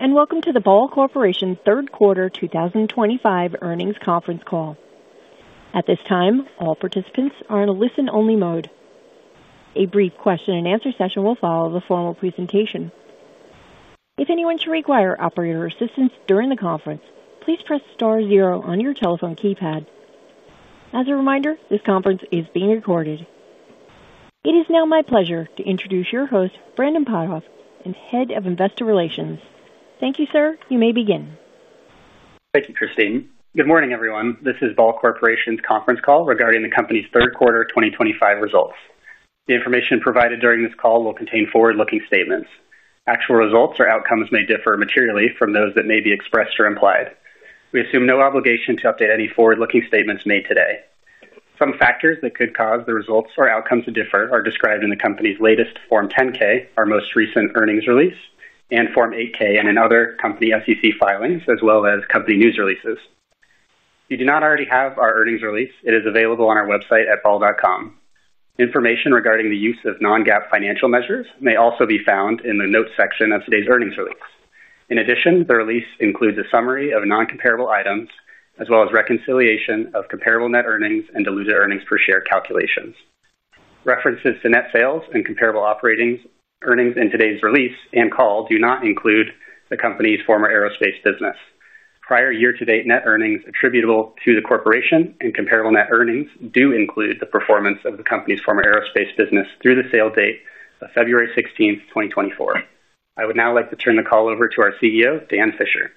And welcome to the Ball Corporation Third Quarter 2025 Earnings Conference Call. At this time, all participants are in a listen-only mode. A brief question-and-answer session will follow the formal presentation. If anyone should require operator assistance during the conference, please press star zero on your telephone keypad. As a reminder, this conference is being recorded. It is now my pleasure to introduce your host, Brandon Potthoff, Head of Investor Relations. Thank you, sir. You may begin. Thank you, Christine. Good morning, everyone. This is Ball Corporation's Conference Call regarding the Company's Third Quarter 2025 Results. The information provided during this call will contain forward-looking statements. Actual results or outcomes may differ materially from those that may be expressed or implied. We assume no obligation to update any forward-looking statements made today. Some factors that could cause the results or outcomes to differ are described in the company's latest Form 10-K, our most recent earnings release, and Form 8-K and in other company SEC filings, as well as company news releases. If you do not already have our earnings release, it is available on our website at ball.com. Information regarding the use of non-GAAP financial measures may also be found in the notes section of today's earnings release. In addition, the release includes a summary of non-comparable items, as well as reconciliation of comparable net earnings and diluted earnings per share calculations. References to net sales and comparable operating earnings in today's release and call do not include the company's former aerospace business. Prior year-to-date net earnings attributable to the corporation and comparable net earnings do include the performance of the company's former aerospace business through the sale date of February 16, 2024. I would now like to turn the call over to our CEO, Dan Fisher.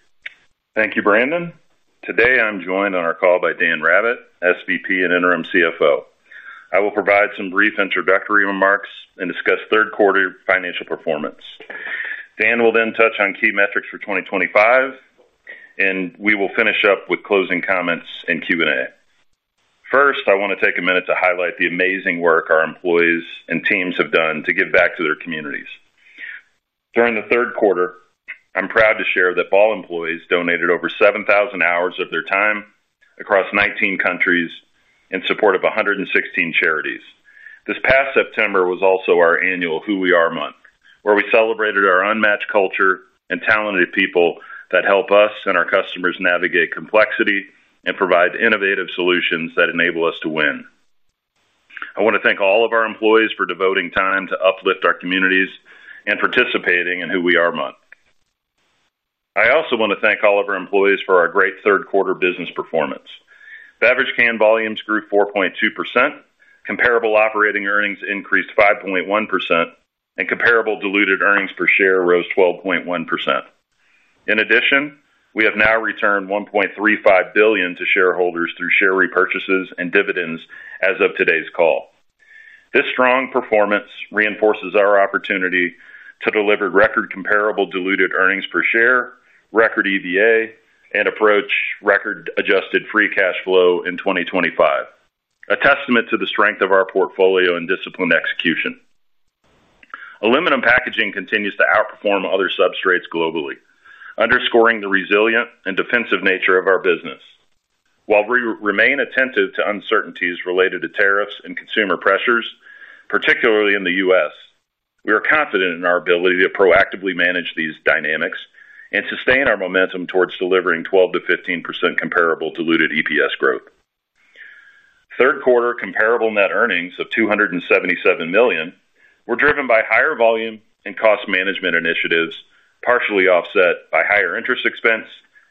Thank you, Brandon. Today, I'm joined on our call by Dan Rabbitt, SVP and Interim CFO. I will provide some brief introductory remarks and discuss Third Quarter Financial Performance. Dan will then touch on key metrics for 2025. And we will finish up with closing comments and Q&A. First, I want to take a minute to highlight the amazing work our employees and teams have done to give back to their communities. During the Third Quarter, I'm proud to share that Ball employees donated over 7,000 hours of their time across 19 countries in support of 116 charities. This past September was also our annual Who We Are Month, where we celebrated our unmatched culture and talented people that help us and our customers navigate complexity and provide innovative solutions that enable us to win. I want to thank all of our employees for devoting time to uplift our communities and participating in Who We Are Month. I also want to thank all of our employees for our great Third Quarter Business Performance. Beverage can volumes grew 4.2%, comparable operating earnings increased 5.1%, and comparable diluted earnings per share rose 12.1%. In addition, we have now returned $1.35 billion to shareholders through share repurchases and dividends as of today's call. This strong performance reinforces our opportunity to deliver record-comparable diluted earnings per share, record EVA, and approach record-adjusted free cash flow in 2025, a testament to the strength of our portfolio and discipline execution. Aluminum packaging continues to outperform other substrates globally, underscoring the resilient and defensive nature of our business. While we remain attentive to uncertainties related to tariffs and consumer pressures, particularly in the U.S., we are confident in our ability to proactively manage these dynamics and sustain our momentum towards delivering 12%-15% comparable diluted EPS growth. Third Quarter comparable net earnings of $277 million were driven by higher volume and cost management initiatives, partially offset by higher interest expense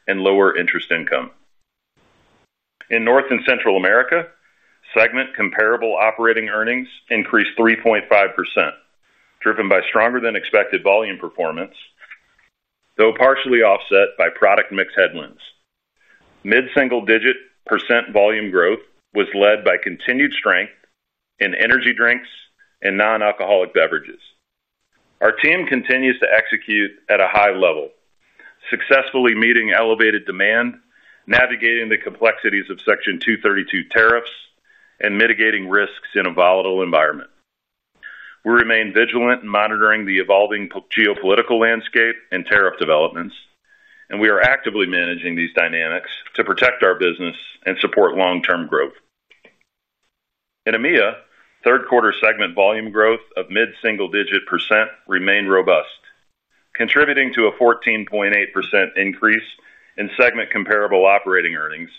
and lower interest income. In North and Central America, segment comparable operating earnings increased 3.5%, driven by stronger-than-expected volume performance. Though partially offset by product mix headwinds. Mid-single-digit percent volume growth was led by continued strength in energy drinks and non-alcoholic beverages. Our team continues to execute at a high level, successfully meeting elevated demand, navigating the complexities of Section 232 tariffs, and mitigating risks in a volatile environment. We remain vigilant in monitoring the evolving geopolitical landscape and tariff developments, and we are actively managing these dynamics to protect our business and support long-term growth. In EMEA, Third Quarter segment volume growth of mid-single-digit percent remained robust, contributing to a 14.8% increase in segment comparable operating earnings.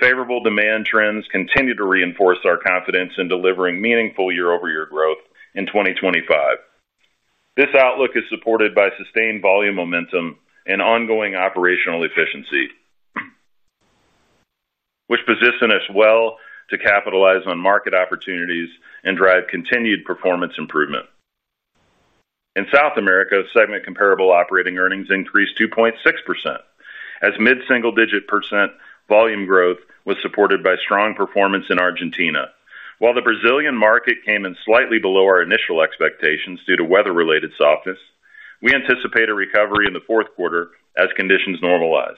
Favorable demand trends continue to reinforce our confidence in delivering meaningful year-over-year growth in 2025. This outlook is supported by sustained volume momentum and ongoing operational efficiency, which positions us well to capitalize on market opportunities and drive continued performance improvement. In South America, segment comparable operating earnings increased 2.6%, as mid-single-digit percent volume growth was supported by strong performance in Argentina. While the Brazilian market came in slightly below our initial expectations due to weather-related softness, we anticipate a recovery in the Fourth Quarter as conditions normalize.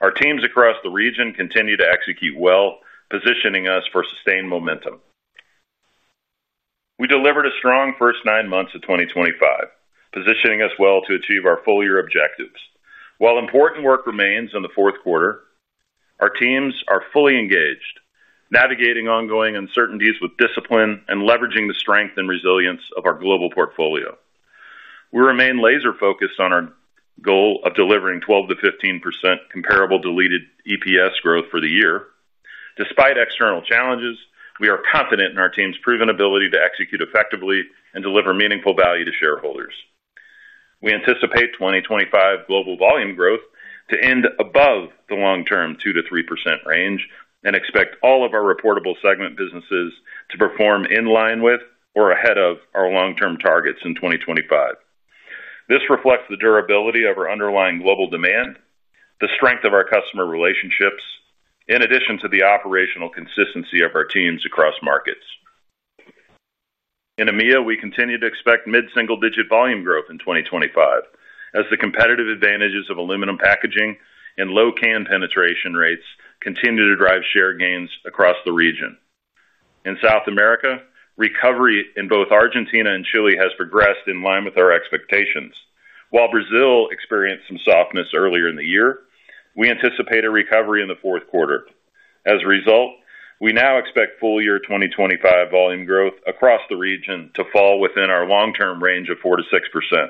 Our teams across the region continue to execute well, positioning us for sustained momentum. We delivered a strong first nine months of 2025, positioning us well to achieve our full-year objectives. While important work remains in the Fourth Quarter, our teams are fully engaged, navigating ongoing uncertainties with discipline and leveraging the strength and resilience of our global portfolio. We remain laser-focused on our goal of delivering 12%-15% comparable diluted EPS growth for the year. Despite external challenges, we are confident in our team's proven ability to execute effectively and deliver meaningful value to shareholders. We anticipate 2025 global volume growth to end above the long-term 2%-3% range and expect all of our reportable segment businesses to perform in line with or ahead of our long-term targets in 2025. This reflects the durability of our underlying global demand, the strength of our customer relationships, in addition to the operational consistency of our teams across markets. In EMEA, we continue to expect mid-single-digit percent volume growth in 2025, as the competitive advantages of aluminum packaging and low can penetration rates continue to drive share gains across the region. In South America, recovery in both Argentina and Chile has progressed in line with our expectations. While Brazil experienced some softness earlier in the year, we anticipate a recovery in the Fourth Quarter. As a result, we now expect full-year 2025 volume growth across the region to fall within our long-term range of 4%-6%.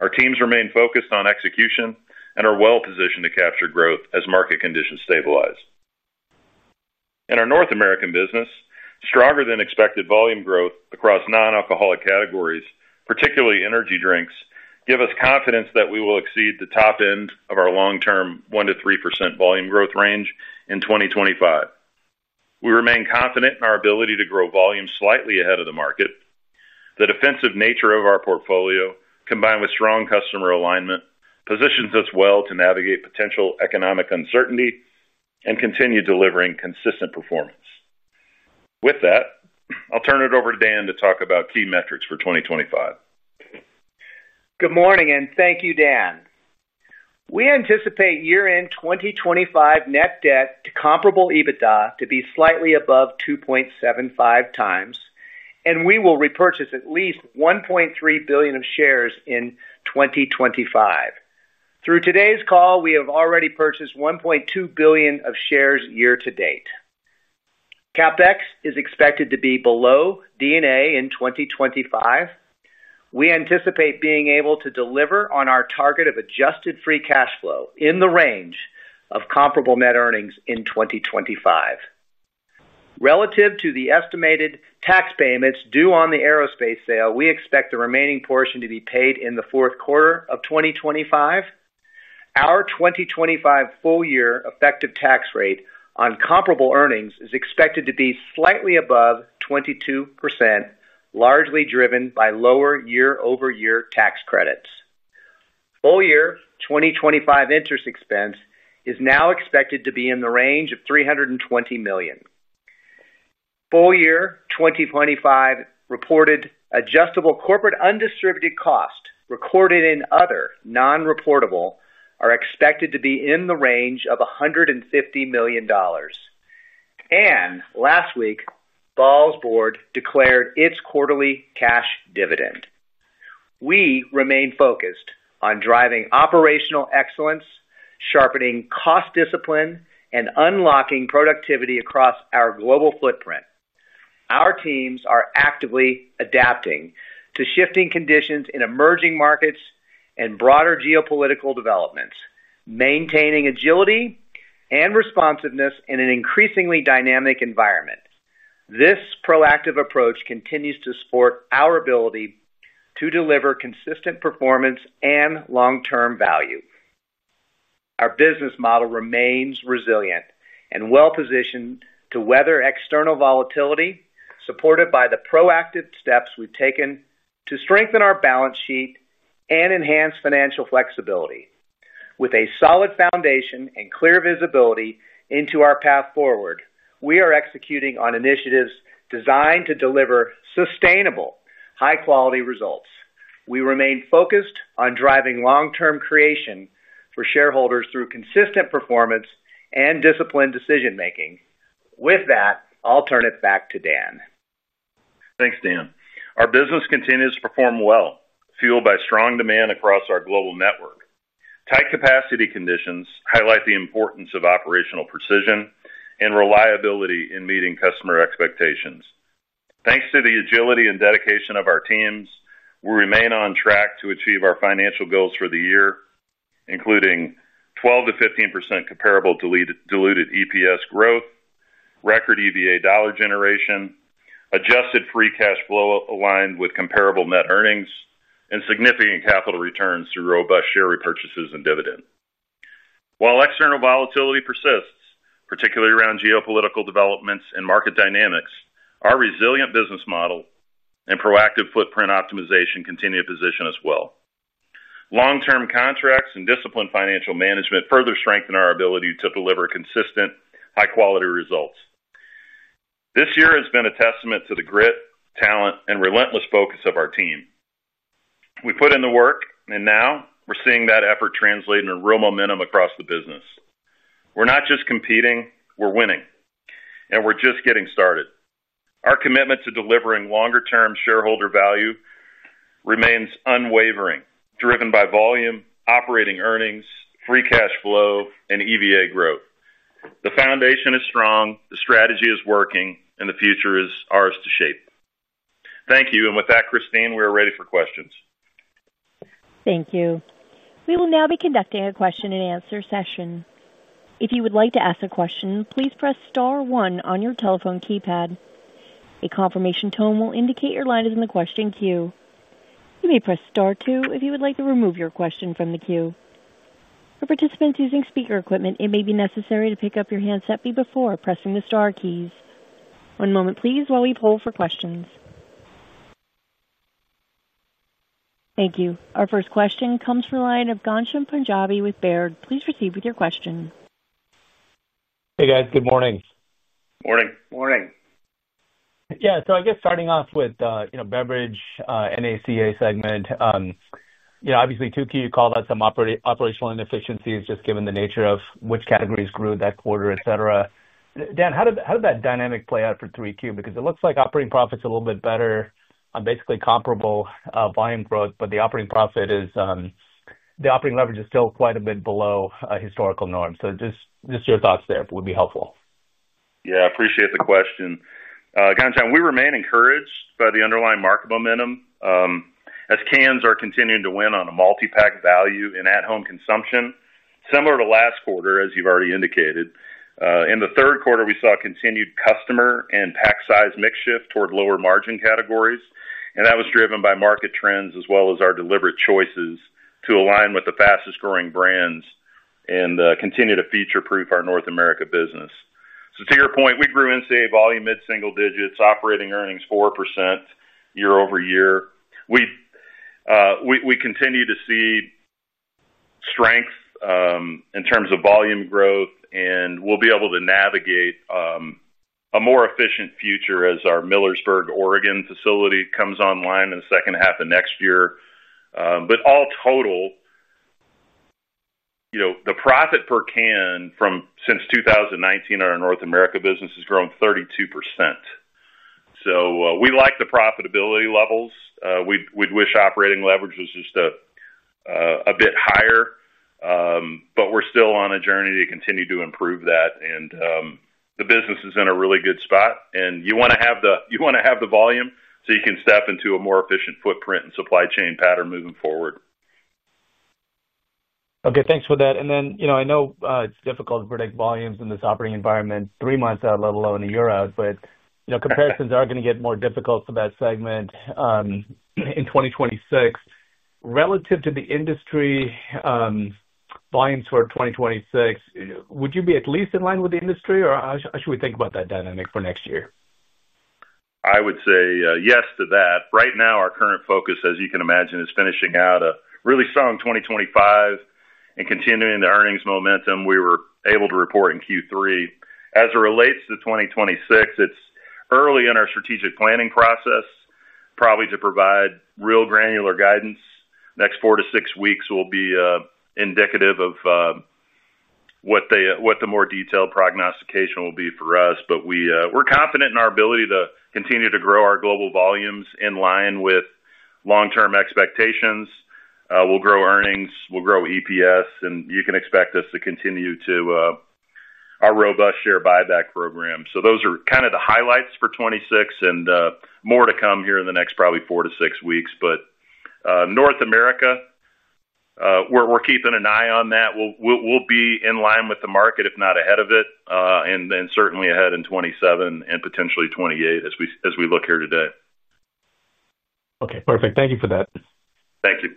Our teams remain focused on execution and are well-positioned to capture growth as market conditions stabilize. In our North American business, stronger-than-expected volume growth across non-alcoholic categories, particularly energy drinks, gives us confidence that we will exceed the top end of our long-term 1%-3% volume growth range in 2025. We remain confident in our ability to grow volume slightly ahead of the market. The defensive nature of our portfolio, combined with strong customer alignment, positions us well to navigate potential economic uncertainty and continue delivering consistent performance. With that, I'll turn it over to Dan to talk about key metrics for 2025. Good morning, and thank you, Dan. We anticipate year-end 2025 net debt to comparable EBITDA to be slightly above 2.75 times, and we will repurchase at least $1.3 billion of shares in 2025. Through today's call, we have already purchased $1.2 billion of shares year-to-date. CapEx is expected to be below D&A in 2025. We anticipate being able to deliver on our target of adjusted free cash flow in the range of comparable net earnings in 2025. Relative to the estimated tax payments due on the aerospace sale, we expect the remaining portion to be paid in the Fourth Quarter of 2025. Our 2025 full-year effective tax rate on comparable earnings is expected to be slightly above 22%, largely driven by lower year-over-year tax credits. Full-year 2025 interest expense is now expected to be in the range of $320 million. Full-year 2025 reported adjustable corporate undistributed costs, recorded in other non-reportable, are expected to be in the range of $150 million, and last week, Ball's board declared its quarterly cash dividend. We remain focused on driving operational excellence, sharpening cost discipline, and unlocking productivity across our global footprint. Our teams are actively adapting to shifting conditions in emerging markets and broader geopolitical developments, maintaining agility and responsiveness in an increasingly dynamic environment. This proactive approach continues to support our ability to deliver consistent performance and long-term value. Our business model remains resilient and well-positioned to weather external volatility, supported by the proactive steps we've taken to strengthen our balance sheet and enhance financial flexibility. With a solid foundation and clear visibility into our path forward, we are executing on initiatives designed to deliver sustainable, high-quality results. We remain focused on driving long-term creation for shareholders through consistent performance and disciplined decision-making. With that, I'll turn it back to Dan. Thanks, Dan. Our business continues to perform well, fueled by strong demand across our global network. Tight capacity conditions highlight the importance of operational precision and reliability in meeting customer expectations. Thanks to the agility and dedication of our teams, we remain on track to achieve our financial goals for the year, including 12%-15% comparable diluted EPS growth, record EVA dollar generation, adjusted free cash flow aligned with comparable net earnings, and significant capital returns through robust share repurchases and dividends. While external volatility persists, particularly around geopolitical developments and market dynamics, our resilient business model and proactive footprint optimization continue to position us well. Long-term contracts and disciplined financial management further strengthen our ability to deliver consistent, high-quality results. This year has been a testament to the grit, talent, and relentless focus of our team. We put in the work, and now we're seeing that effort translate into real momentum across the business. We're not just competing, we're winning, and we're just getting started. Our commitment to delivering longer-term shareholder value remains unwavering, driven by volume, operating earnings, free cash flow, and EVA growth. The foundation is strong, the strategy is working, and the future is ours to shape. Thank you. And with that, Christine, we are ready for questions. Thank you. We will now be conducting a question-and-answer session. If you would like to ask a question, please press Star one on your telephone keypad. A confirmation tone will indicate your line is in the question queue. You may press Star two if you would like to remove your question from the queue. For participants using speaker equipment, it may be necessary to pick up your handset before pressing the Star keys. One moment, please, while we poll for questions. Thank you. Our first question comes from a line of Ghansham Panjabi with Baird. Please proceed with your question. Hey, guys. Good morning. Morning. Morning. Yeah. So I guess starting off with, you know, Beverage NCA segment. You know, obviously, 2Q, you called out some operational inefficiencies just given the nature of which categories grew that quarter, et cetera. Dan, how did that dynamic play out for 3Q? Because it looks like operating profit's a little bit better on basically comparable volume growth, but the operating profit is. The operating leverage is still quite a bit below historical norms. So just your thoughts there would be helpful. Yeah. I appreciate the question. Ghansham, we remain encouraged by the underlying market momentum. As cans are continuing to win on a multi-pack value in at-home consumption, similar to last quarter, as you've already indicated. In the third quarter, we saw continued customer and pack-size mix shift toward lower margin categories. And that was driven by market trends as well as our deliberate choices to align with the fastest-growing brands and continue to future-proof our North America business. So to your point, we grew NCA volume mid-single digits, operating earnings 4% year-over-year. We continue to see strength in terms of volume growth, and we'll be able to navigate a more efficient future as our Millersburg, Oregon facility comes online in the second half of next year. But all total, you know, the profit per can since 2019 on our North America business has grown 32%. So we like the profitability levels. We'd wish operating leverage was just a bit higher. But we're still on a journey to continue to improve that. And the business is in a really good spot. And you want to have the volume so you can step into a more efficient footprint and supply chain pattern moving forward. Okay. Thanks for that. And then, you know, I know it's difficult to predict volumes in this operating environment, three months out, let alone a year out, but, you know, comparisons are going to get more difficult for that segment in 2026 relative to the industry. Volumes for 2026, would you be at least in line with the industry, or how should we think about that dynamic for next year? I would say yes to that. Right now, our current focus, as you can imagine, is finishing out a really strong 2025 and continuing the earnings momentum we were able to report in Q3. As it relates to 2026, it's early in our strategic planning process. Probably to provide real granular guidance. The next four weeks to six weeks will be indicative of what the more detailed prognostication will be for us. We're confident in our ability to continue to grow our global volumes in line with long-term expectations. We'll grow earnings. We'll grow EPS. You can expect us to continue to our robust share buyback program. So those are kind of the highlights for 2026 and more to come here in the next probably four weeks to six weeks. North America. We're keeping an eye on that. We'll be in line with the market, if not ahead of it, and certainly ahead in 2027 and potentially 2028 as we look here today. Okay. Perfect. Thank you for that. Thank you.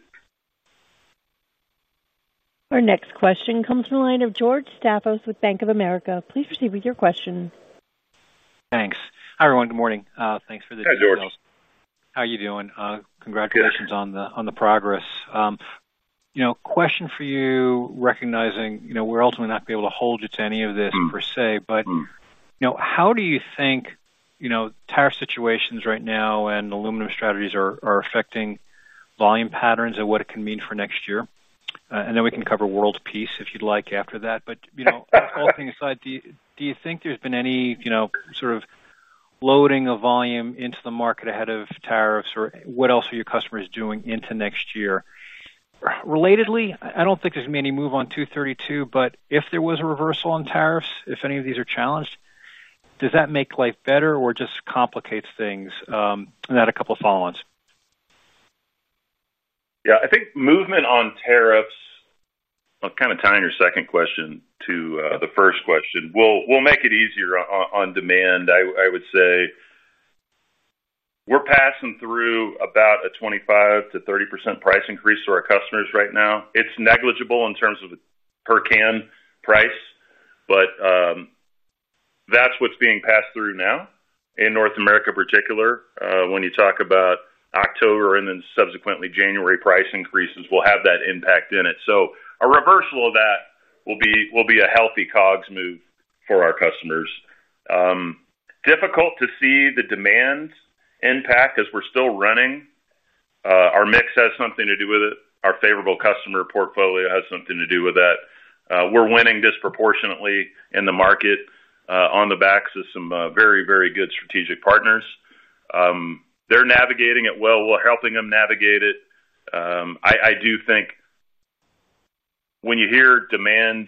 Our next question comes from a line of George Staphos with Bank of America. Please proceed with your question. Thanks. Hi, everyone. Good morning. Thanks for this. Hi, George. How are you doing? Congratulations on the progress. You know, question for you, recognizing, you know, we're ultimately not going to be able to hold you to any of this per se, but, you know, how do you think, you know, tariff situations right now and aluminum strategies are affecting volume patterns and what it can mean for next year? And then we can cover World Peace if you'd like after that. But, you know, all things aside, do you think there's been any, you know, sort of loading of volume into the market ahead of tariffs? or what else are your customers doing into next year? Relatedly, I don't think there's been any move on 232, but if there was a reversal on tariffs, if any of these are challenged, does that make life better or just complicates things? And that a couple of follow-ons. Yeah. I think movement on tariffs. Kind of tying your second question to the first question, we'll make it easier on demand, I would say. We're passing through about a 25%-30% price increase to our customers right now. It's negligible in terms of per can price, but that's what's being passed through now. In North America in particular, when you talk about October and then subsequently January price increases, we'll have that impact in it. So a reversal of that will be a healthy COGS move for our customers. Difficult to see the demand impact as we're still running. Our mix has something to do with it. Our favorable customer portfolio has something to do with that. We're winning disproportionately in the market on the backs of some very, very good strategic partners. They're navigating it well. We're helping them navigate it. I do think when you hear demand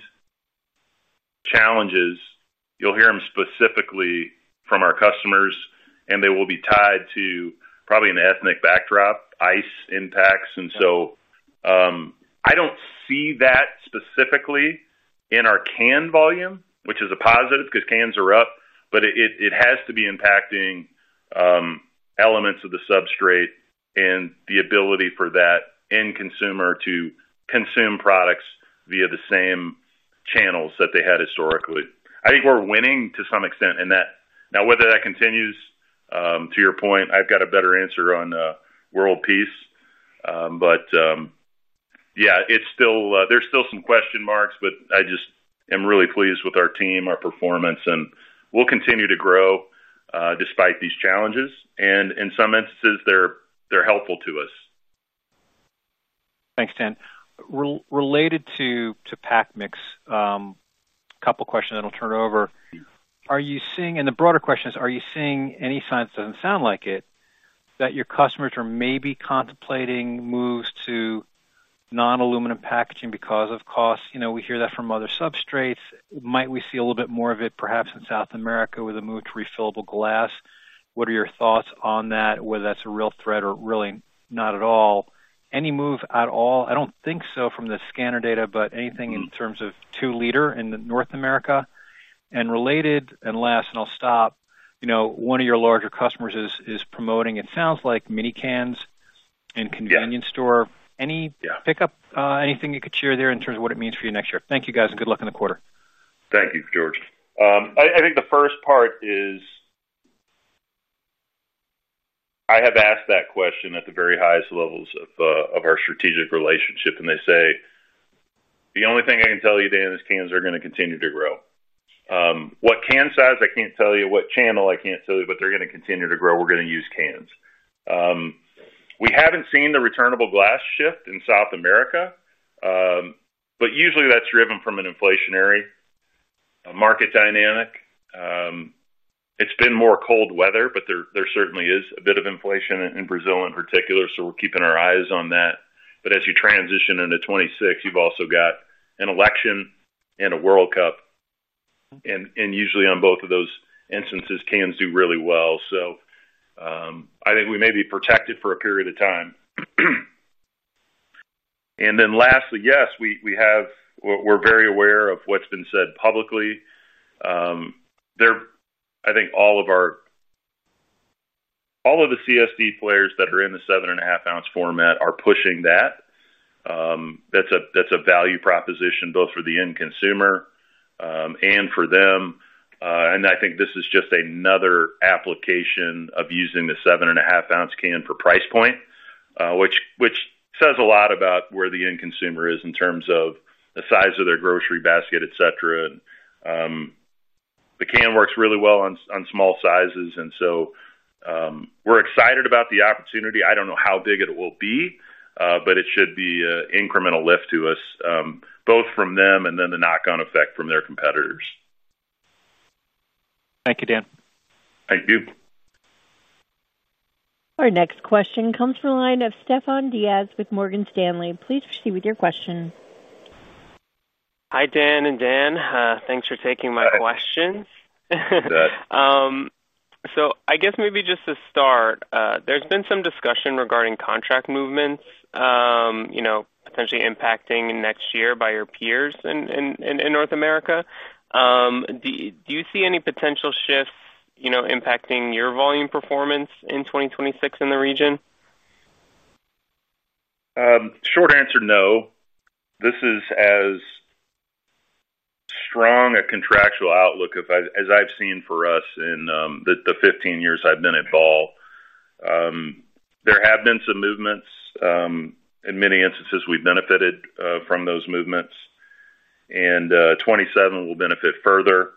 challenges, you'll hear them specifically from our customers, and they will be tied to probably an economic backdrop, these impacts, and so I don't see that specifically in our can volume, which is a positive because cans are up, but it has to be impacting elements of the substrate and the ability for that end consumer to consume products via the same channels that they had historically. I think we're winning to some extent in that. Now, whether that continues, to your point, I've got a better answer on World Peace, but yeah, it's still, there's still some question marks, but I just am really pleased with our team, our performance, and we'll continue to grow despite these challenges, and in some instances, they're helpful to us. Thanks, Dan. Related to pack mix. A couple of questions that'll turn it over. Are you seeing, and the broader question is, are you seeing any signs—it doesn't sound like it—that your customers are maybe contemplating moves to non-aluminum packaging because of costs? You know, we hear that from other substrates. Might we see a little bit more of it perhaps in South America with a move to refillable glass? What are your thoughts on that, whether that's a real threat or really not at all? Any move at all? I don't think so from the scanner data, but anything in terms of 2-L in North America? And related, and last, and I'll stop, you know, one of your larger customers is promoting, it sounds like, mini cans in convenience store. Any pickup, anything you could share there in terms of what it means for you next year? Thank you, guys, and good luck in the quarter. Thank you, George. I think the first part is I have asked that question at the very highest levels of our strategic relationship, and they say, "The only thing I can tell you, Dan, is cans are going to continue to grow." What can size, I can't tell you. What channel, I can't tell you, but they're going to continue to grow. We're going to use cans. We haven't seen the returnable glass shift in South America, but usually that's driven from an inflationary market dynamic. It's been more cold weather, but there certainly is a bit of inflation in Brazil in particular, so we're keeping our eyes on that. But as you transition into 2026, you've also got an election and a World Cup, and usually on both of those instances cans do really well. So, I think we may be protected for a period of time. And then lastly, yes, we have, we're very aware of what's been said publicly. I think all of the CSD players that are in the seven and a half ounce format are pushing that. That's a value proposition both for the end consumer and for them. And I think this is just another application of using the seven and a half ounce can for price point, which says a lot about where the end consumer is in terms of the size of their grocery basket, et cetera. The can works really well on small sizes, and so we're excited about the opportunity. I don't know how big it will be, but it should be an incremental lift to us, both from them and then the knock-on effect from their competitors. Thank you, Dan. Thank you. Our next question comes from a line of Stefan Diaz with Morgan Stanley. Please proceed with your question. Hi, Dan and Dan. Thanks for taking my questions. That. So I guess maybe just to start, there's been some discussion regarding contract movements, you know, potentially impacting next year by your peers in North America. Do you see any potential shifts, you know, impacting your volume performance in 2026 in the region? Short answer, no. This is as strong a contractual outlook as I've seen for us in the 15 years I've been at Ball. There have been some movements. In many instances, we've benefited from those movements. And 2027 will benefit further.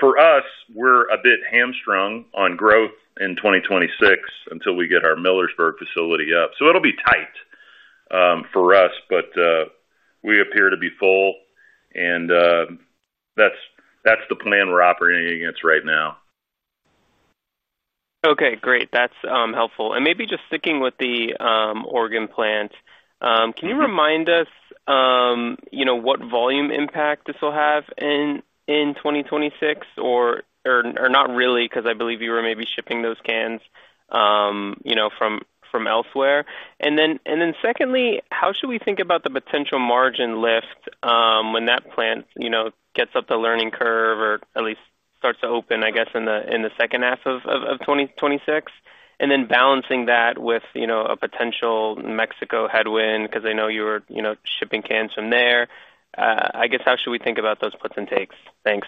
For us, we're a bit hamstrung on growth in 2026 until we get our Millersburg facility up. So it'll be tight for us, but we appear to be full. And that's the plan we're operating against right now. Okay. Great. That's helpful. And maybe just sticking with the Oregon plant. Can you remind us, you know, what volume impact this will have in 2026 or not really because I believe you were maybe shipping those cans, you know, from elsewhere? And then secondly, how should we think about the potential margin lift when that plant, you know, gets up the learning curve or at least starts to open, I guess, in the second half of 2026? And then balancing that with, you know, a potential Mexico headwind because I know you were, you know, shipping cans from there. I guess how should we think about those puts and takes? Thanks.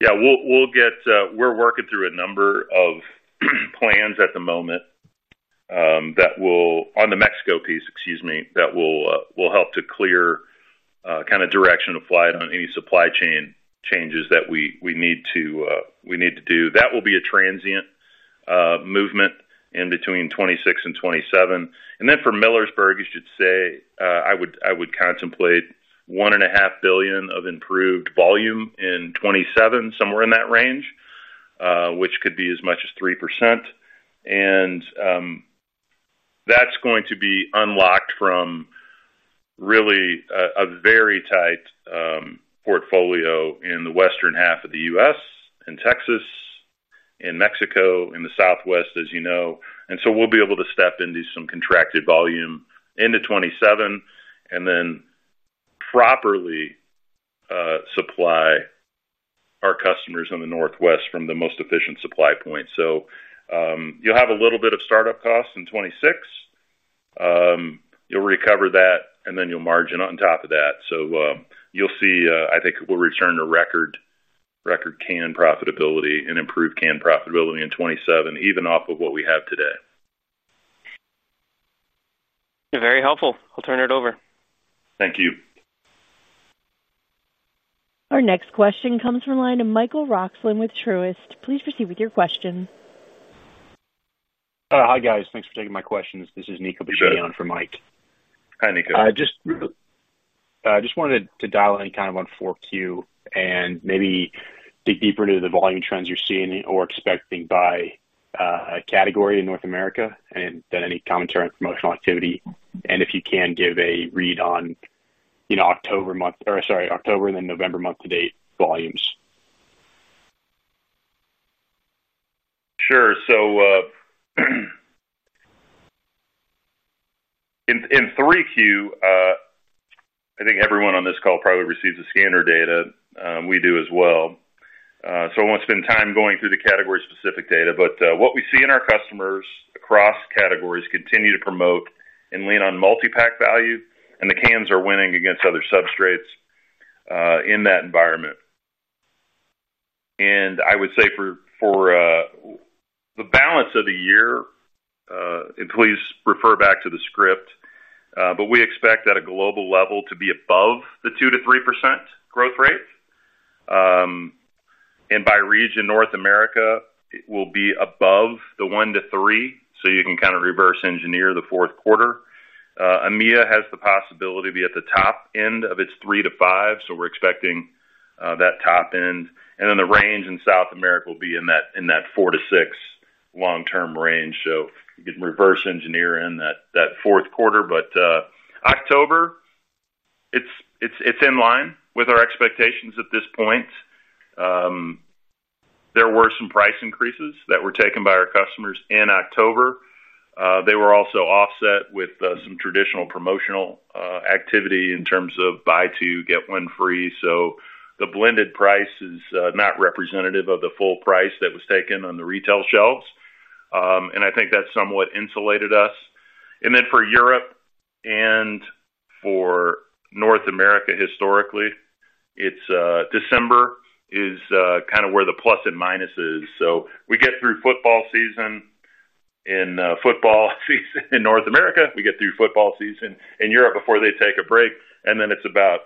Yeah. We're working through a number of plans at the moment. That will—on the Mexico piece, excuse me—that will help to clear kind of direction of flight on any supply chain changes that we need to do that will be a transient movement in between 2026 and 2027. And then for Millersburg, I should say I would contemplate 1.5 billion of improved volume in 2027, somewhere in that range. Which could be as much as 3%. And that's going to be unlocked from really a very tight portfolio in the western half of the U.S. and Texas. In Mexico, in the Southwest, as you know. And so we'll be able to step into some contracted volume into 2027 and then properly supply our customers in the Northwest from the most efficient supply point. So you'll have a little bit of startup costs in 2026. You'll recover that, and then you'll margin on top of that. So you'll see, I think we'll return to record can profitability and improved can profitability in 2027, even off of what we have today. You're very helpful. I'll turn it over. Thank you. Our next question comes from a line of Michael Roxland with Truist. Please proceed with your question. Hi, guys. Thanks for taking my questions. This is Niccolo Piccini for Mike. Hi, Nico. Just wanted to dial in kind of on 4Q and maybe dig deeper into the volume trends you're seeing or expecting by a category in North America and then any commentary on promotional activity, and if you can, give a read on October month or sorry, October and then November month-to-date volumes. Sure. So in Q3, I think everyone on this call probably receives the scanner data. We do as well. So I won't spend time going through the category-specific data, but what we see in our customers across categories continue to promote and lean on multi-pack value, and the cans are winning against other substrates. In that environment, and I would say for the balance of the year, please refer back to the script, but we expect at a global level to be above the 2%-3% growth rate. And by region, North America will be above the 1%-3%, so you can kind of reverse engineer the fourth quarter. EMEA has the possibility to be at the top end of its 3%-5%, so we're expecting that top end. And then the range in South America will be in that 4%-6% long-term range. So you can reverse engineer in that fourth quarter. But October, it's in line with our expectations at this point. There were some price increases that were taken by our customers in October. They were also offset with some traditional promotional activity in terms of buy two, get one free. So the blended price is not representative of the full price that was taken on the retail shelves. And I think that somewhat insulated us. And then for Europe and for North America historically, December is kind of where the plus and minus is. So we get through football season in North America. We get through football season in Europe before they take a break. And then it's about,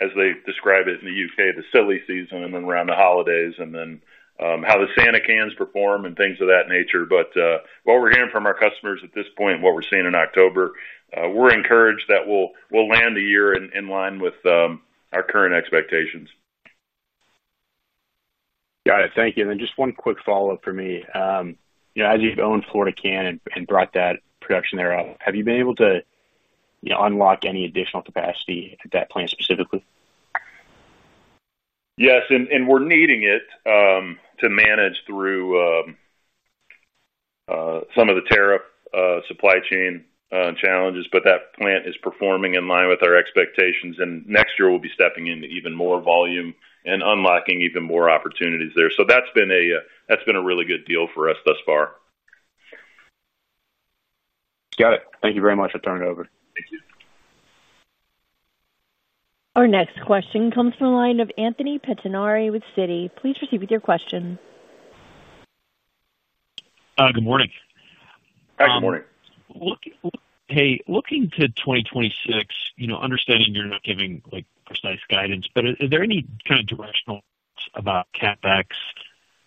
as they describe it in the UK, the silly season and then around the holidays and then how the Santa Cans perform and things of that nature. But what we're hearing from our customers at this point, what we're seeing in October, we're encouraged that we'll land the year in line with our current expectations. Got it. Thank you. And then just one quick follow-up for me. You know, as you've owned Florida Can and brought that production there up, have you been able to unlock any additional capacity at that plant specifically? Yes. And we're needing it to manage through some of the tariff supply chain challenges, but that plant is performing in line with our expectations. And next year, we'll be stepping into even more volume and unlocking even more opportunities there. So that's been a really good deal for us thus far. Got it. Thank you very much. I'll turn it over. Thank you. Our next question comes from a line of Anthony Pettinari with Citi. Please proceed with your question. Good morning. Hi, good morning. Hey, looking to 2026, you know, understanding you're not giving precise guidance, but is there any kind of directional about CapEx?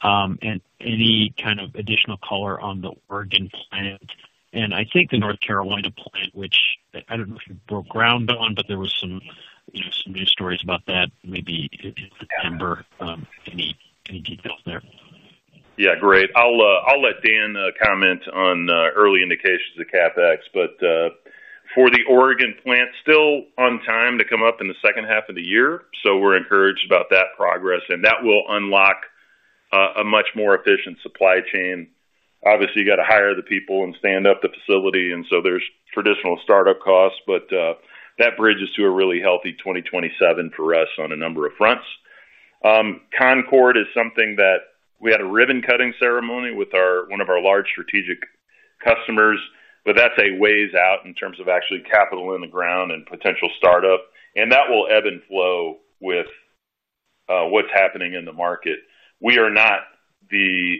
And any kind of additional color on the Oregon plant? And I think the North Carolina plant, which I don't know if you broke ground on, but there were some news stories about that maybe in September. Any details there? Yeah, great. I'll let Dan comment on early indications of CapEx, but for the Oregon plant, still on time to come up in the second half of the year. So we're encouraged about that progress, and that will unlock a much more efficient supply chain. Obviously, you got to hire the people and stand up the facility, and so there's traditional startup costs, but that bridges to a really healthy 2027 for us on a number of fronts. Concord is something that we had a ribbon-cutting ceremony with one of our large strategic customers, but that's a ways out in terms of actually capital in the ground and potential startup. And that will ebb and flow with what's happening in the market. We are not the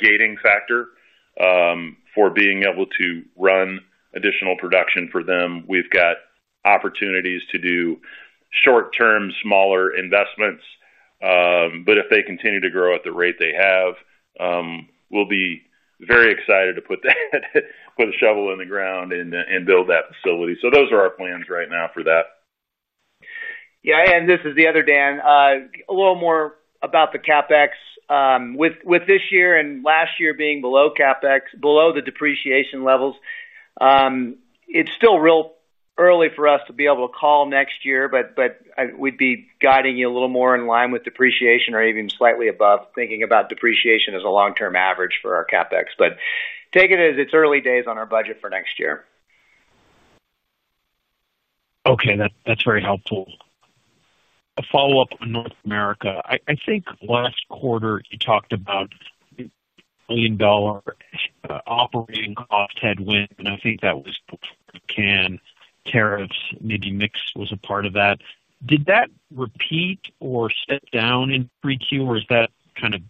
gating factor for being able to run additional production for them. We've got opportunities to do short-term, smaller investments. But if they continue to grow at the rate they have, we'll be very excited to put the shovel in the ground and build that facility. So those are our plans right now for that. Yeah. And this is the other, Dan. A little more about the CapEx. With this year and last year being below CapEx, below the depreciation levels. It's still real early for us to be able to call next year, but we'd be guiding you a little more in line with depreciation or even slightly above, thinking about depreciation as a long-term average for our CapEx. But take it as it's early days on our budget for next year. Okay. That's very helpful. A follow-up on North America. I think last quarter, you talked about million-dollar operating cost headwind, and I think that was before the can tariffs. Maybe mix was a part of that. Did that repeat or step down in 3Q? or is that kind of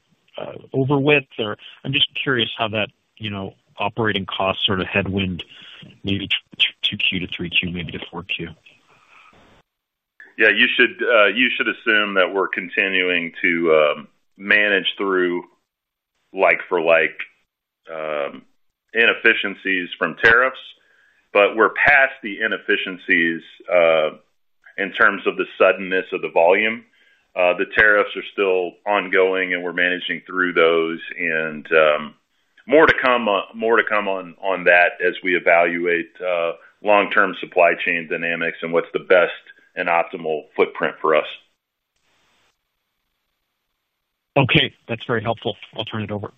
over with? I'm just curious how that operating cost sort of headwind maybe to 2Q to 3Q, maybe to 4Q. Yeah. You should assume that we're continuing to manage through like-for-like inefficiencies from tariffs, but we're past the inefficiencies in terms of the suddenness of the volume. The tariffs are still ongoing, and we're managing through those, and more to come on that as we evaluate long-term supply chain dynamics and what's the best and optimal footprint for us. Okay. That's very helpful. I'll turn it over.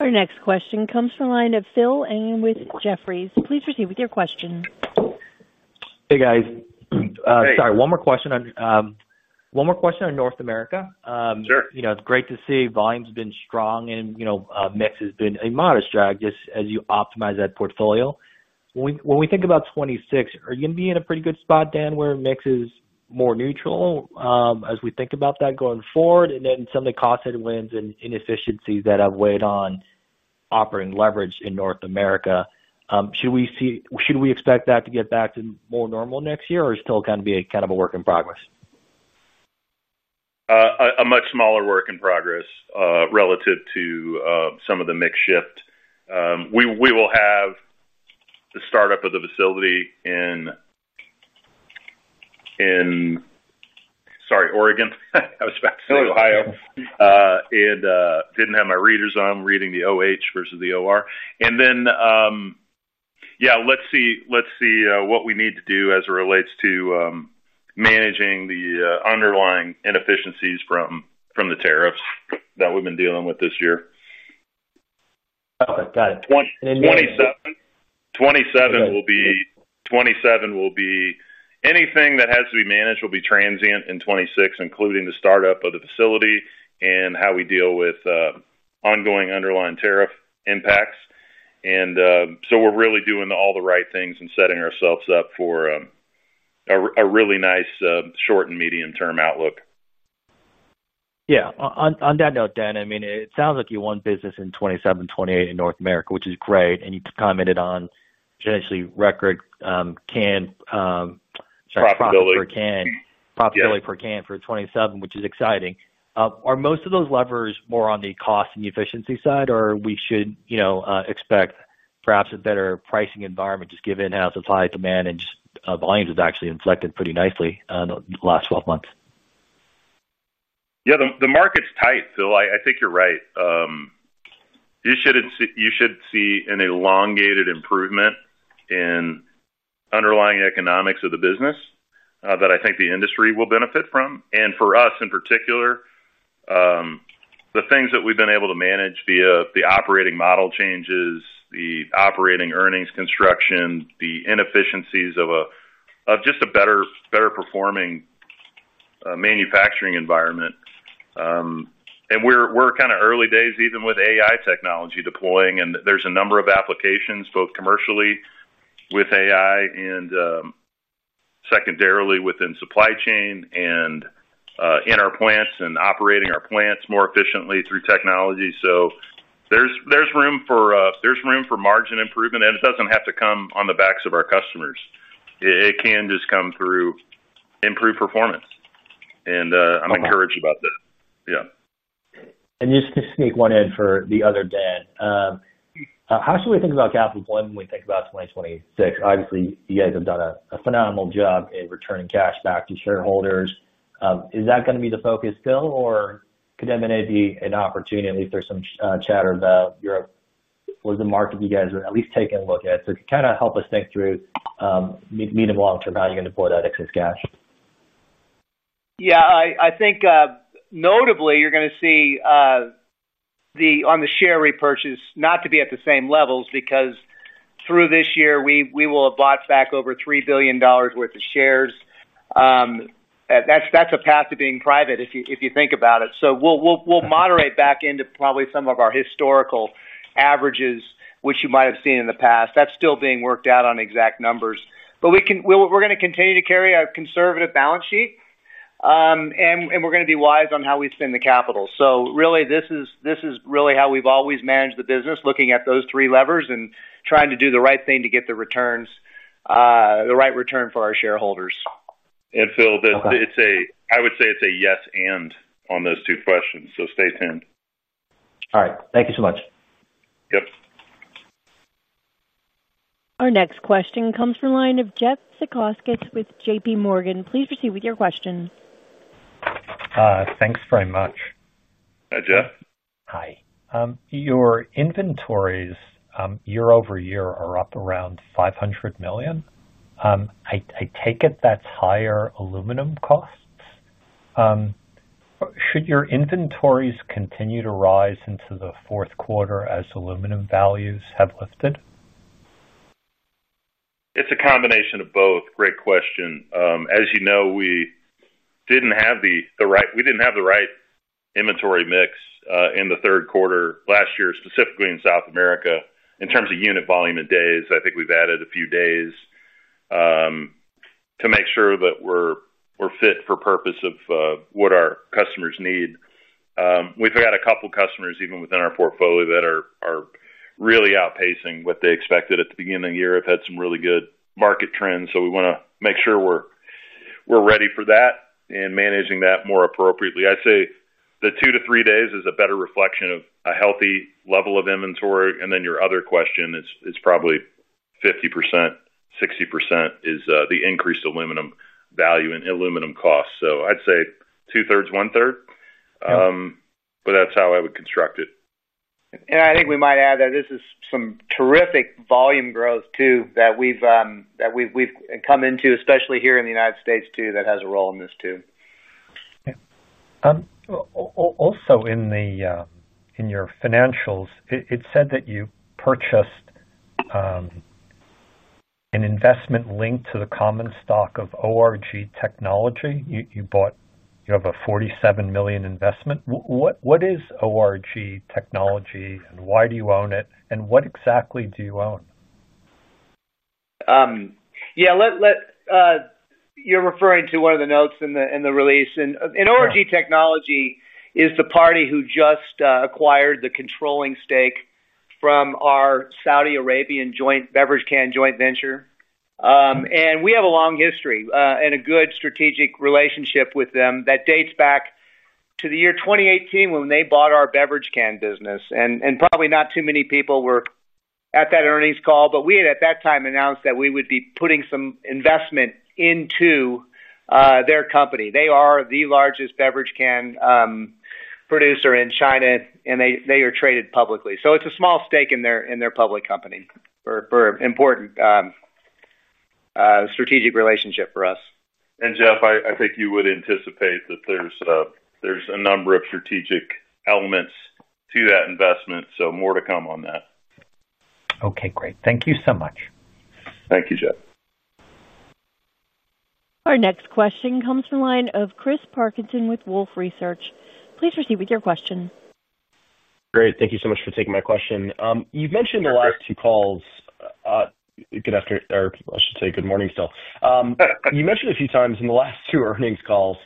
Our next question comes from a line of Philip Ng with Jefferies. Please proceed with your question. Hey, guys. Sorry. One more question. One more question on North America. Sure. You know, it's great to see volume's been strong and, you know, mix has been a modest drag just as you optimize that portfolio. When we think about 2026, are you going to be in a pretty good spot, Dan, where mix is more neutral as we think about that going forward? And then some of the cost headwinds and inefficiencies that have weighed on operating leverage in North America, should we expect that to get back to more normal next year or still kind of be kind of a work in progress? A much smaller work in progress relative to some of the mix shift. We will have the startup of the facility in—in, sorry, Oregon. I was about to say Ohio and didn't have my readers on reading the OH versus the OR. And then, yeah, let's see what we need to do as it relates to managing the underlying inefficiencies from the tariffs that we've been dealing with this year. Okay. Got it. 2027 will be anything that has to be managed will be transient in 2026, including the startup of the facility and how we deal with ongoing underlying tariff impacts. And so we're really doing all the right things and setting ourselves up for a really nice short- and medium-term outlook. Yeah. On that note, Dan, I mean, it sounds like you won business in 2027, 2028 in North America, which is great, and you commented on potentially record can. Profitability. Profitability per can for 2027, which is exciting. Are most of those levers more on the cost and the efficiency side? or we should, you know, expect perhaps a better pricing environment just given how supply demand and volumes have actually inflected pretty nicely in the last 12 months? Yeah. The market's tight, Phil. I think you're right. You should see an elongated improvement in underlying economics of the business that I think the industry will benefit from. And for us in particular, the things that we've been able to manage via the operating model changes, the operating earnings, construction, the inefficiencies of just a better performing manufacturing environment. And we're kind of early days even with AI technology deploying, and there's a number of applications both commercially with AI and secondarily within supply chain and in our plants and operating our plants more efficiently through technology. So there's room for margin improvement, and it doesn't have to come on the backs of our customers. It can just come through improved performance. And I'm encouraged about that. Yeah. Just to sneak one in for the other, Dan. How should we think about CapEx when we think about 2026? Obviously, you guys have done a phenomenal job in returning cash back to shareholders. Is that going to be the focus, Phil? or could that maybe be an opportunity? At least there's some chatter about Europe. Was the market you guys at least taken a look at? So kind of help us think through. Medium-long term, how you're going to deploy that excess cash. Yeah. I think notably you're going to see on the share repurchase not to be at the same levels because through this year, we will have bought back over $3 billion worth of shares. That's a path to being private if you think about it. So we'll moderate back into probably some of our historical averages, which you might have seen in the past. That's still being worked out on exact numbers. But we're going to continue to carry a conservative balance sheet. And we're going to be wise on how we spend the capital. So really, this is really how we've always managed the business, looking at those three levers and trying to do the right thing to get the right return for our shareholders. And Phil, I would say it's a yes and on those two questions. So stay tuned. All right. Thank you so much. Yep. Our next question comes from a line of Jeffrey Zekauskas with J.P. Morgan. Please proceed with your question. Thanks very much. Hi, Jeff. Hi. Your inventories year over year are up around $500 million. I take it that's higher aluminum costs. Should your inventories continue to rise into the fourth quarter as aluminum values have lifted? It's a combination of both. Great question. As you know, we didn't have the right inventory mix in the third quarter last year, specifically in South America. In terms of unit volume and days, I think we've added a few days to make sure that we're fit for purpose of what our customers need. We've got a couple of customers even within our portfolio that are really outpacing what they expected at the beginning of the year. We've had some really good market trends. So we want to make sure we're ready for that and managing that more appropriately. I say the two days to three days is a better reflection of a healthy level of inventory. And then your other question is probably 50%, 60% is the increased aluminum value and aluminum costs. So I'd say two-thirds, one-third. But that's how I would construct it. And I think we might add that this is some terrific volume growth too that we've come into, especially here in the United States too, that has a role in this too. Also, in your financials, it said that you purchased an investment linked to the common stock of ORG Technology. You have a $47 million investment. What is ORG Technology? and why do you own it? and what exactly do you own? Yeah. You're referring to one of the notes in the release. And ORG Technology is the party who just acquired the controlling stake from our Saudi Arabian Joint Beverage Can Venture. And we have a long history and a good strategic relationship with them that dates back to the year 2018 when they bought our beverage can business. And probably not too many people were at that earnings call, but we had at that time announced that we would be putting some investment into their company. They are the largest beverage can producer in China, and they are traded publicly. So it's a small stake in their public company for an important strategic relationship for us. Jeff, I think you would anticipate that there's a number of strategic elements to that investment. More to come on that. Okay. Great. Thank you so much. Thank you, Jeff. Our next question comes from a line of Chris Parkinson with Wolfe Research. Please proceed with your question. Great. Thank you so much for taking my question. You've mentioned the last two calls. Good afternoon or I should say good morning, still. You mentioned a few times in the last two earnings calls.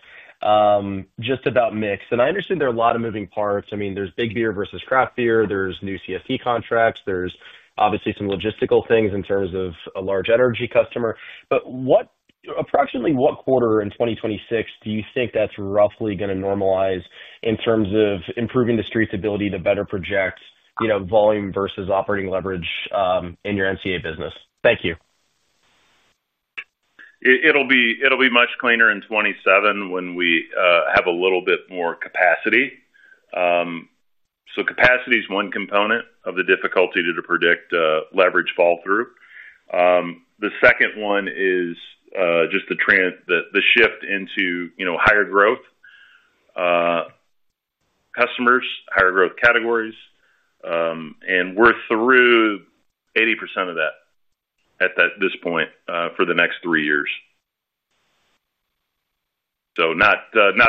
Just about mix. And I understand there are a lot of moving parts. I mean, there's Big Beer versus Craft Beer. There's new CSD contracts. There's obviously some logistical things in terms of a large energy customer. But approximately what quarter in 2026 do you think that's roughly going to normalize in terms of improving the street's ability to better project volume versus operating leverage in your NCA business? Thank you. It'll be much cleaner in 2027 when we have a little bit more capacity. So capacity is one component of the difficulty to predict leverage flow-through. The second one is just the shift into higher growth customers, higher growth categories. And we're through 80% of that at this point for the next three years. So not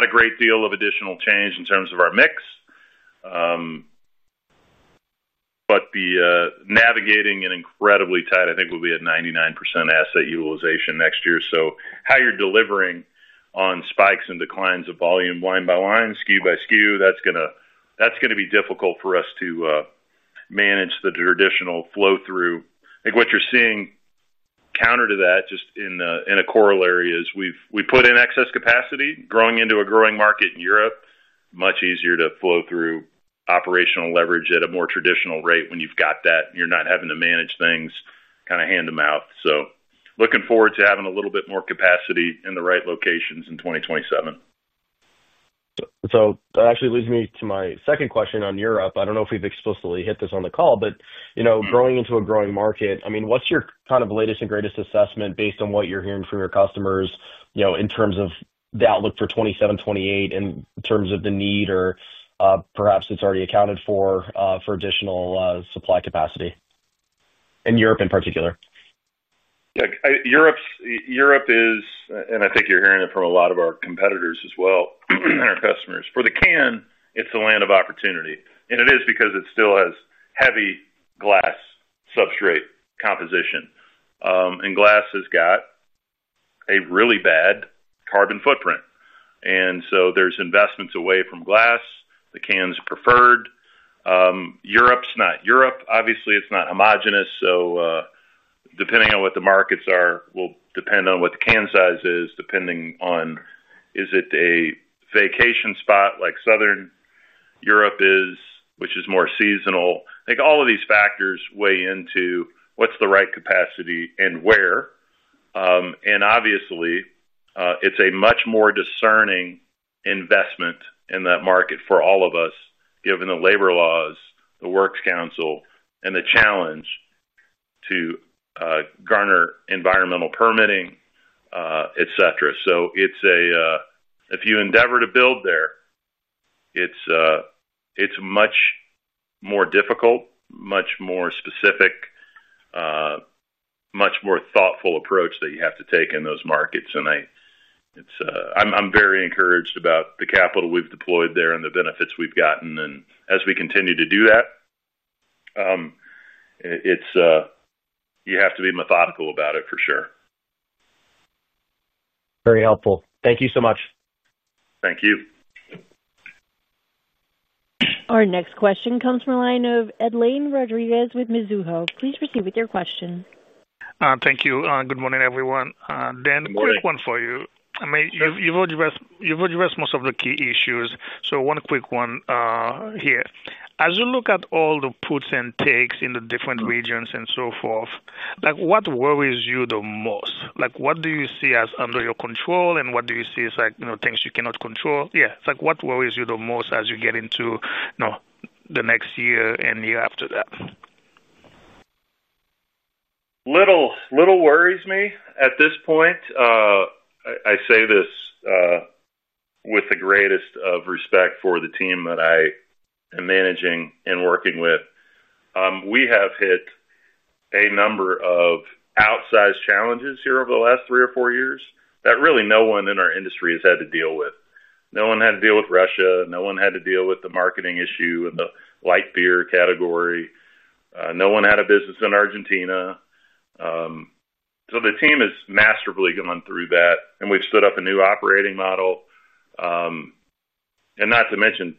a great deal of additional change in terms of our mix. But navigating an incredibly tight, I think, will be a 99% asset utilization next year. So how you're delivering on spikes and declines of volume line by line, by SKU, that's going to be difficult for us to manage the traditional flow-through. I think what you're seeing counter to that just in a corollary is we've put in excess capacity growing into a growing market in Europe, much easier to flow-through operational leverage at a more traditional rate when you've got that and you're not having to manage things kind of hand to mouth. So looking forward to having a little bit more capacity in the right locations in 2027. So that actually leads me to my second question on Europe. I don't know if we've explicitly hit this on the call, but growing into a growing market, I mean, what's your kind of latest and greatest assessment based on what you're hearing from your customers in terms of the outlook for 2027, 2028, and in terms of the need or perhaps it's already accounted for additional supply capacity? In Europe in particular. Yeah. Europe is, and I think you're hearing it from a lot of our competitors as well and our customers. For the can, it's a land of opportunity. And it is because it still has heavy glass substrate composition. And glass has got a really bad carbon footprint. And so there's investments away from glass. The can's preferred. Europe's not homogenous. So, depending on what the markets are, will depend on what the can size is, depending on is it a vacation spot like Southern Europe is, which is more seasonal. I think all of these factors weigh into what's the right capacity and where. And obviously, it's a much more discerning investment in that market for all of us, given the labor laws, the works council, and the challenge to garner environmental permitting, etc. So if you endeavor to build there, it's much more difficult, much more specific. Much more thoughtful approach that you have to take in those markets. And I'm very encouraged about the capital we've deployed there and the benefits we've gotten. And as we continue to do that, you have to be methodical about it for sure. Very helpful. Thank you so much. Thank you. Our next question comes from a line of Edlain Rodriguez with Mizuho. Please proceed with your question. Thank you. Good morning, everyone. Dan, quick one for you. You've addressed most of the key issues. So one quick one here. As you look at all the puts and takes in the different regions and so forth, what worries you the most? What do you see as under your control, and what do you see as things you cannot control? Yeah. What worries you the most as you get into the next year and year after that? Little worries me at this point. I say this with the greatest respect for the team that I am managing and working with. We have hit a number of outsized challenges here over the last three or four years that really no one in our industry has had to deal with. No one had to deal with Russia. No one had to deal with the marketing issue in the light beer category. No one had a business in Argentina, so the team has masterfully gone through that, and we've stood up a new operating model, and not to mention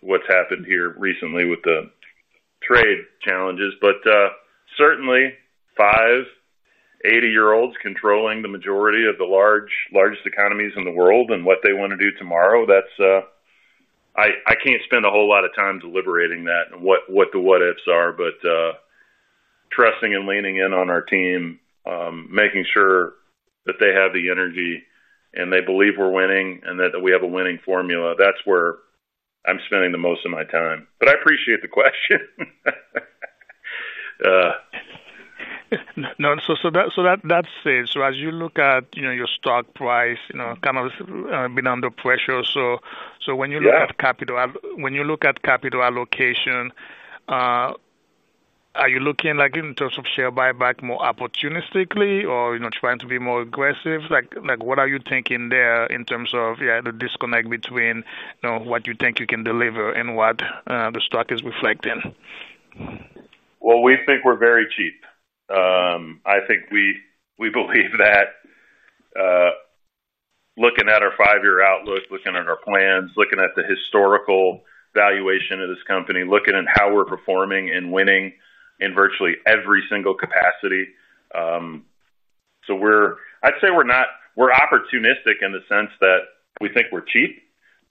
what's happened here recently with the trade challenges. But certainly, five 80-year-olds controlling the majority of the largest economies in the world and what they want to do tomorrow. I can't spend a whole lot of time deliberating that and what the what-ifs are, but trusting and leaning in on our team, making sure that they have the energy and they believe we're winning and that we have a winning formula, that's where I'm spending the most of my time, but I appreciate the question. So that's it. So as you look at your stock price, kind of been under pressure. So when you look at capital, when you look at capital allocation. Are you looking in terms of share buyback more opportunistically or trying to be more aggressive? What are you thinking there in terms of the disconnect between what you think you can deliver and what the stock is reflecting? We think we're very cheap. I think we believe that. Looking at our five-year outlook, looking at our plans, looking at the historical valuation of this company, looking at how we're performing and winning in virtually every single capacity, I'd say we're opportunistic in the sense that we think we're cheap,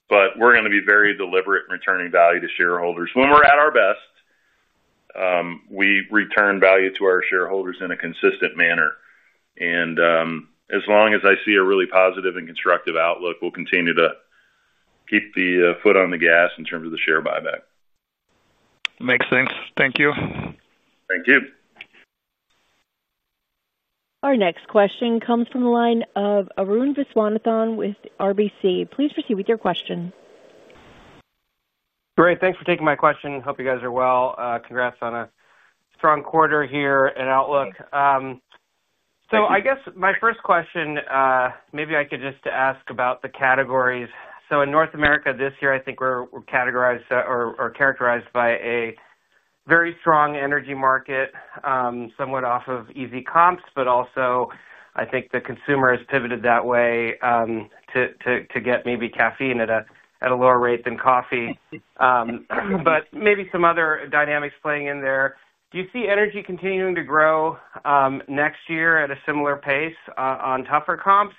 but we're going to be very deliberate in returning value to shareholders when we're at our best. We return value to our shareholders in a consistent manner. As long as I see a really positive and constructive outlook, we'll continue to keep the foot on the gas in terms of the share buyback. Makes sense. Thank you. Thank you. Our next question comes from a line of Arun Viswanathan with RBC. Please proceed with your question. Great. Thanks for taking my question. Hope you guys are well. Congrats on a strong quarter here and outlook. So I guess my first question, maybe I could just ask about the categories. So in North America this year, I think we're categorized or characterized by a very strong energy market. Somewhat off of easy comps, but also I think the consumer has pivoted that way to get maybe caffeine at a lower rate than coffee. But maybe some other dynamics playing in there. Do you see energy continuing to grow next year at a similar pace on tougher comps?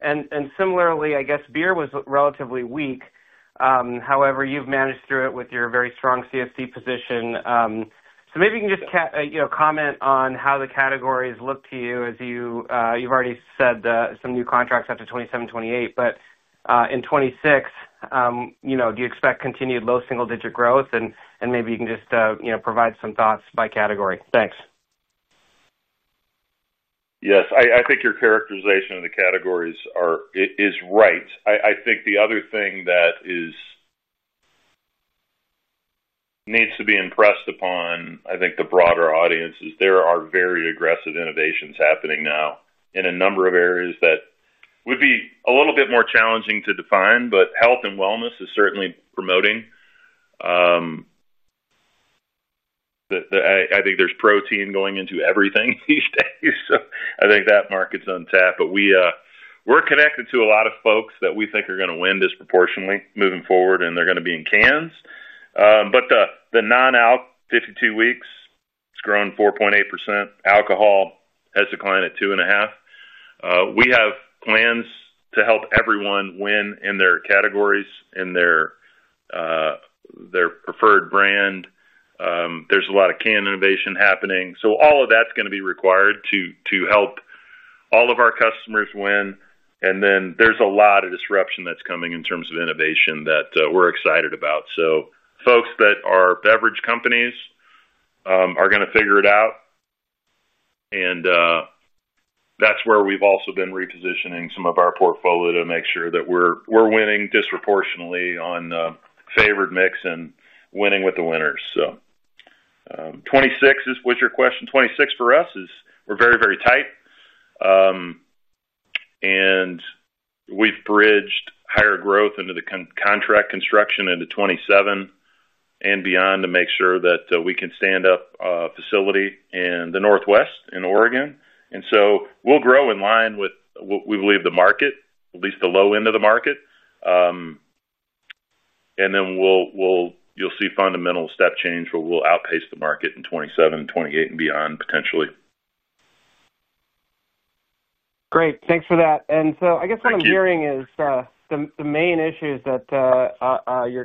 And similarly, I guess beer was relatively weak. However, you've managed through it with your very strong CSD position. So maybe you can just comment on how the categories look to you as you've already said some new contracts after 2027, 2028. But in 2026. Do you expect continued low single-digit growth? And maybe you can just provide some thoughts by category. Thanks. Yes. I think your characterization of the categories is right. I think the other thing that needs to be impressed upon, I think, the broader audience is there are very aggressive innovations happening now in a number of areas that would be a little bit more challenging to define, but health and wellness is certainly prominent. I think there's protein going into everything these days. So I think that market's untapped. But we're connected to a lot of folks that we think are going to win disproportionately moving forward, and they're going to be in cans. But the non-alc 52 weeks, it's grown 4.8% alcohol has declined at 2.5%. We have plans to help everyone win in their categories, in their preferred brand. There's a lot of can innovation happening. So all of that's going to be required to help all of our customers win. And then there's a lot of disruption that's coming in terms of innovation that we're excited about. So folks that are beverage companies are going to figure it out. And that's where we've also been repositioning some of our portfolio to make sure that we're winning disproportionately on favored mix and winning with the winners. So 2026 is what's your question? 2026 for us is we're very, very tight. And we've bridged higher growth into the contract construction into 2027 and beyond to make sure that we can stand up a facility in the Northwest in Oregon. And so we'll grow in line with what we believe the market, at least the low end of the market. And then you'll see fundamental step change where we'll outpace the market in 2027, 2028, and beyond potentially. Great. Thanks for that. And so I guess what I'm hearing is the main issues that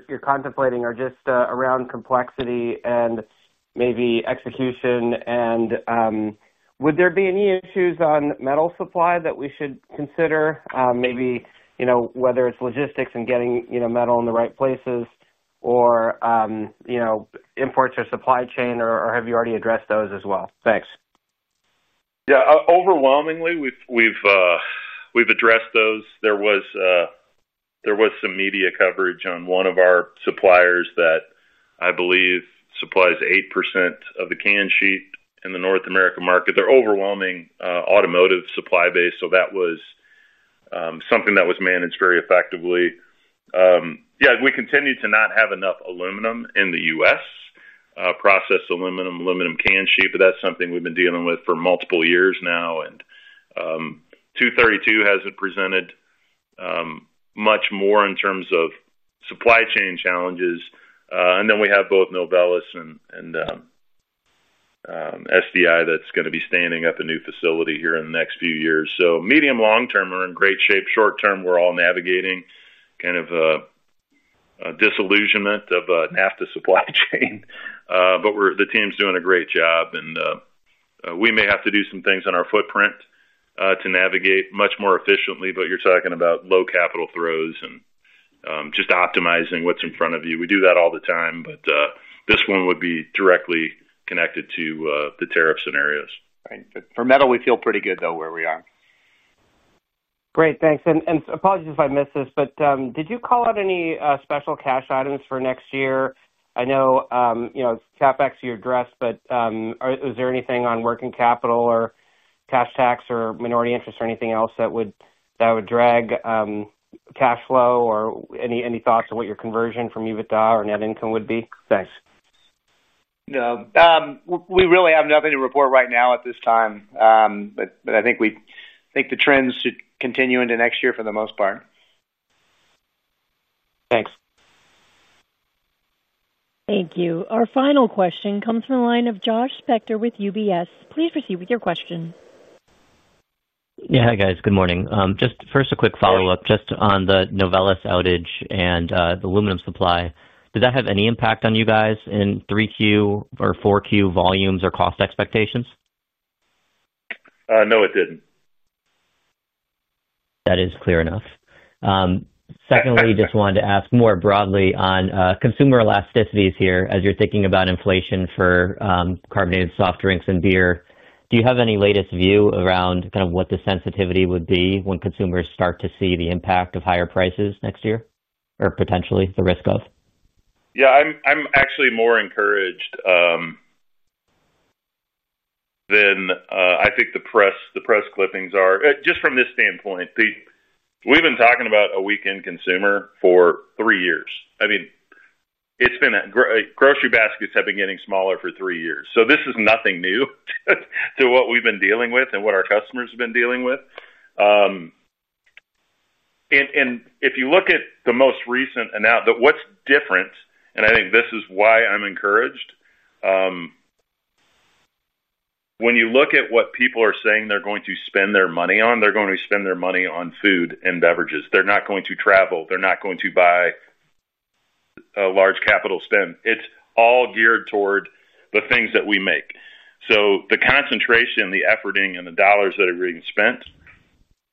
you're contemplating are just around complexity and maybe execution. And would there be any issues on metal supply that we should consider, maybe whether it's logistics and getting metal in the right places or imports or supply chain? or have you already addressed those as well? Thanks. Yeah. Overwhelmingly, we've addressed those. There was some media coverage on one of our suppliers that I believe supplies 8% of the can sheet in the North America market. They're overwhelmingly automotive supply base. So that was something that was managed very effectively. Yeah. We continue to not have enough aluminum in the U.S. Processed Aluminum, aluminum can sheet, but that's something we've been dealing with for multiple years now. And 232 hasn't presented much more in terms of supply chain challenges. And then we have both Novelis and SDI that's going to be standing up a new facility here in the next few years. So medium, long-term, we're in great shape. Short-term, we're all navigating kind of a disillusionment of NAFTA supply chain. But the team's doing a great job. And we may have to do some things on our footprint to navigate much more efficiently, but you're talking about low capital throws and just optimizing what's in front of you. We do that all the time, but this one would be directly connected to the tariff scenarios right for metal, we feel pretty good, though, where we are. Great. Thanks. And apologies if I missed this, but did you call out any special cash items for next year? I know. CapEx you addressed, but is there anything on working capital or cash tax or minority interest or anything else that would drag cash flow or any thoughts on what your conversion from EBITDA or net income would be? Thanks. No. We really have nothing to report right now at this time. But I think the trends should continue into next year for the most part. Thanks. Thank you. Our final question comes from a line of Josh Spector with UBS. Please proceed with your question. Yeah. Hi, guys. Good morning. Just first, a quick follow-up just on the Novelis outage and the aluminum supply. Did that have any impact on you guys in 3Q or 4Q volumes or cost expectations? No, it didn't. That is clear enough. Secondly, just wanted to ask more broadly on consumer elasticities here as you're thinking about inflation for carbonated soft drinks and beer. Do you have any latest view around kind of what the sensitivity would be when consumers start to see the impact of higher prices next year or potentially the risk of? Yeah. I'm actually more encouraged than I think the press clippings are, just from this standpoint. We've been talking about a weakened consumer for three years. I mean, grocery baskets have been getting smaller for three years. So this is nothing new to what we've been dealing with and what our customers have been dealing with, and if you look at the most recent, what's different, and I think this is why I'm encouraged. When you look at what people are saying they're going to spend their money on, they're going to spend their money on food and beverages. They're not going to travel. They're not going to buy a large capital spend. It's all geared toward the things that we make. So the concentration, the efforting, and the dollars that are being spent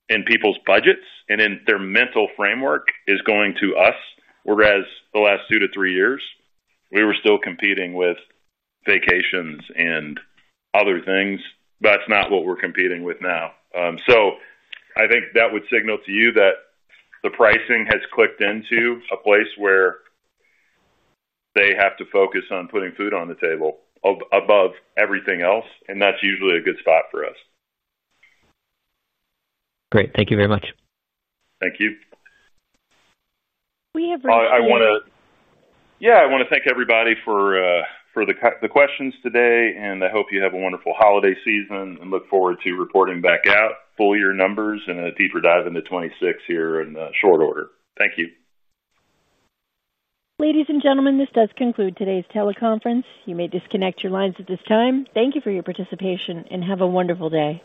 in people's budgets and in their mental framework is going to us. Whereas the last two to three years, we were still competing with vacations and other things, but that's not what we're competing with now. So I think that would signal to you that the pricing has clicked into a place where they have to focus on putting food on the table above everything else, and that's usually a good spot for us. Great. Thank you very much. Thank you. We have run through. Yeah. I want to thank everybody for the questions today, and I hope you have a wonderful holiday season and look forward to reporting back our full year numbers and a deeper dive into 2026 here in short order. Thank you. Ladies and gentlemen, this does conclude today's teleconference. You may disconnect your lines at this time. Thank you for your participation and have a wonderful day.